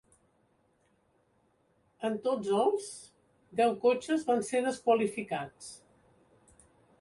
En tots els, deu cotxes van ser desqualificats.